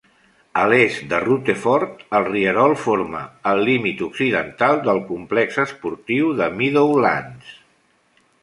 A l'est de Rutherford, el rierol forma el límit occidental del complex esportiu de Meadowlands.